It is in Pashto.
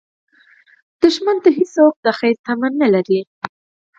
دښمن ته هېڅوک د خیر تمه نه لري